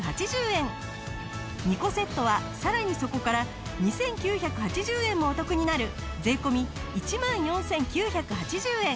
２個セットはさらにそこから２９８０円もお得になる税込１万４９８０円。